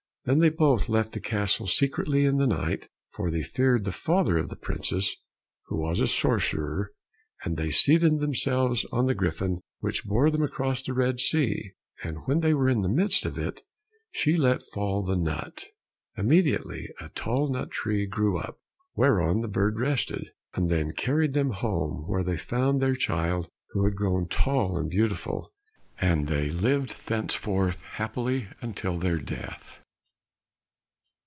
Then they both left the castle secretly in the night, for they feared the father of the princess, who was a sorcerer, and they seated themselves on the griffin which bore them across the Red Sea, and when they were in the midst of it, she let fall the nut. Immediately a tall nut tree grew up, whereon the bird rested, and then carried them home, where they found their child, who had grown tall and beautiful, and they lived thenceforth happily until their death.